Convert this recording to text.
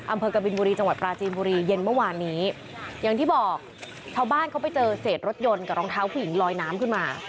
กบินบุรีจังหวัดปราจีนบุรีเย็นเมื่อวานนี้อย่างที่บอกชาวบ้านเขาไปเจอเศษรถยนต์กับรองเท้าผู้หญิงลอยน้ำขึ้นมา